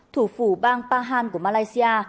thủ phủ bang pahan của malaysia